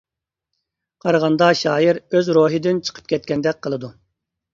قارىغاندا شائىر ئۆز روھىدىن چىقىپ كەتكەندەك قىلىدۇ!